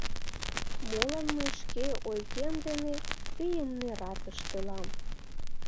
Молан мый шке ойгем дене тыйым нерат ыштылам?